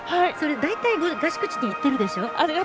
大体、合宿地に行っているでしょ。